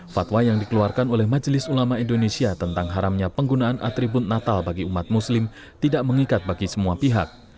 fatwa yang dikeluarkan oleh majelis ulama indonesia tentang haramnya penggunaan atribut natal bagi umat muslim tidak mengikat bagi semua pihak